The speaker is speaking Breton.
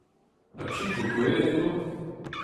Ha piv 'vo gwelet eno ?